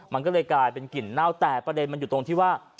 มันก็เลยกลายเป็นกลิ่นเน่าแต่ประเด็นมันอยู่ตรงที่ว่า